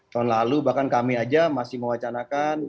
tahun lalu bahkan kami aja masih mewacanakan